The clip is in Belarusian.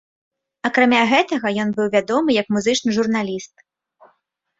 Акрамя гэтага, ён быў вядомы як музычны журналіст.